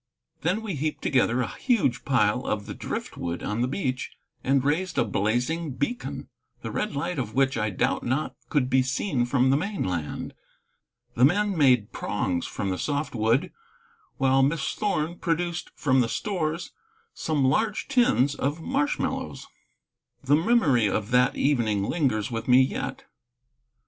Then we heaped together a huge pile of the driftwood on the beach and raised a blazing beacon, the red light of which I doubt not could be seen from the mainland. The men made prongs from the soft wood, while Miss Thorn produced from the stores some large tins of marshmallows. The memory of that evening lingers with me yet.